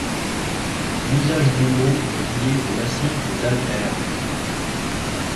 L'usage du mot est lié au massif des Albères.